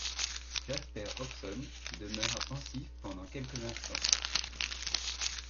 Jasper Hobson demeura pensif pendant quelques instants.